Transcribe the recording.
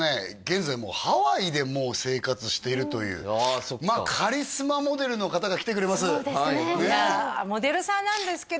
現在ハワイで生活しているというカリスマモデルの方が来てくれますそうですね